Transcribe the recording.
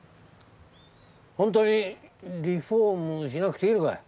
本当にリフォームしなくていいのかい？